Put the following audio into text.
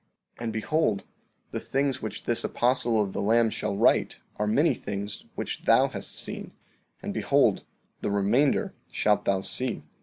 14:24 And behold, the things which this apostle of the Lamb shall write are many things which thou hast seen; and behold, the remainder shalt thou see.